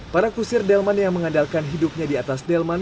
para kusir delman yang mengandalkan hidupnya di atas delman